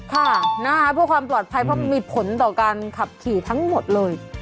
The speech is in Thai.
ค่ะนะฮะเพื่อความปลอดภัยเพราะมันมีผลต่อการขับขี่ทั้งหมดเลย